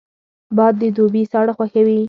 باد د دوبي ساړه خوښوي